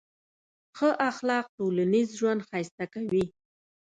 ښه اخلاق ټولنیز ژوند ښایسته کوي.